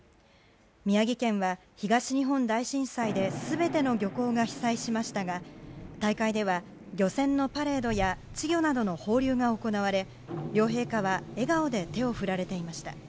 宮城県は東日本大震災で全ての漁港が被災しましたが大会では漁船のパレードや稚魚などの放流が行われ両陛下は笑顔で手を振られていました。